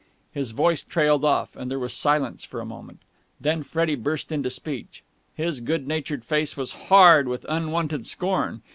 His voice trailed off, and there was silence for a moment. Then Freddie burst into speech. His good natured face was hard with unwonted scorn.